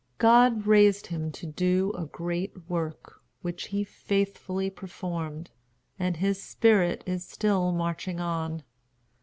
God raised him up to do a great work, which he faithfully performed; and his spirit is still "marching on."